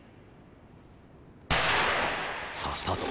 さあスタート。